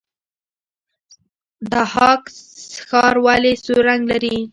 ضحاک ښار ولې سور رنګ لري؟